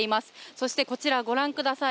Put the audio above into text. そしてこちら、ご覧ください。